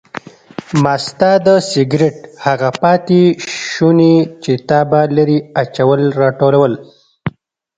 ما ستا د سګرټ هغه پاتې شوني چې تا به لرې اچول راټولول.